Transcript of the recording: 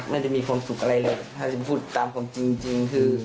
ไม่ได้มีความสุขอะไรเลยถ้าจะพูดตามความจริงจริงคือ